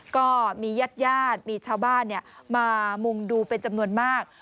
ก็มีญาติญาติมีชาวบ้านมามุงดูเป็นจำนวนมาก